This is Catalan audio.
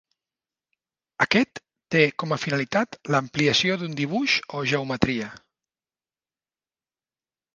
Aquest té com a finalitat l'ampliació d'un dibuix o geometria.